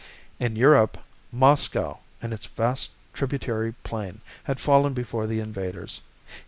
In Europe, Moscow and its vast tributary plain had fallen before the invaders.